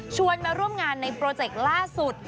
มาร่วมงานในโปรเจกต์ล่าสุด